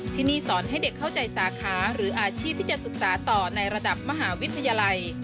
ที่นี่สอนให้เด็กเข้าใจสาขาหรืออาชีพที่จะศึกษาต่อในระดับมหาวิทยาลัย